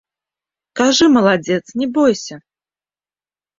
Кажы, маладзец, не бойся!